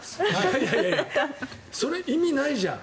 いやいやそれ意味ないじゃん。